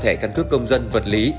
thẻ căn cứ công dân vật lý